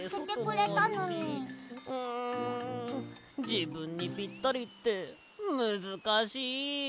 じぶんにぴったりってむずかしい。